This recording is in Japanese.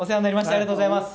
ありがとうございます！